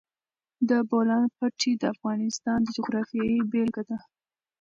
د بولان پټي د افغانستان د جغرافیې بېلګه ده.